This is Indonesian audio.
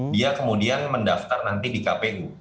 dia kemudian mendaftar nanti di kpu